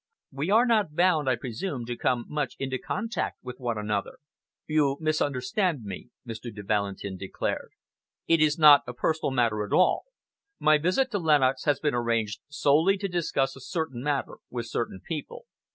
We are not bound, I presume, to come much into contact with one another." "You misunderstand me," Mr. de Valentin declared. "It is not a personal matter at all. My visit to Lenox has been arranged solely to discuss a certain matter with certain people.